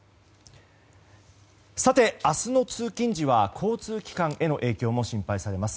明日の通勤時は交通機関への影響も心配されています。